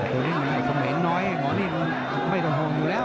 โหนี่มันไงเค้าเหม็นน้อยหมอนี่มันไม่ต้องห่องอยู่แล้ว